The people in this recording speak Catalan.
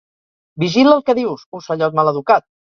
Vigila el que dius, ocellot maleducat!